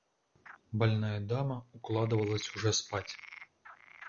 Больная дама укладывалась уже спать.